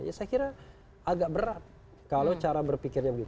ya saya kira agak berat kalau cara berpikirnya begitu